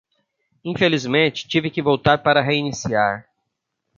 Infelizmente, tive que voltar para reiniciar.